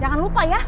jangan lupa ya